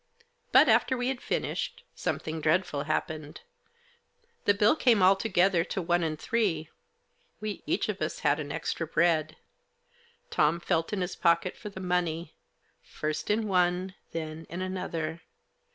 But, after we had finished, something dreadful happened. The bill came altogether to one and three ; we each of us had an extra bread. Tom felt in his pocket for the money. First in one, then in another.